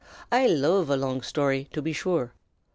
"I loove a long shtory, to be sure.